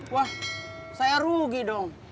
wah saya rugi dong